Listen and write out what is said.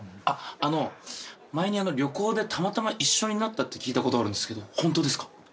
あっあの前に旅行でたまたま一緒になったって聞いたことあるんですけどホントですか？